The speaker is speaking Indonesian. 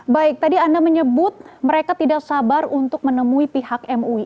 baik tadi anda menyebut mereka tidak sabar untuk menemui pihak mui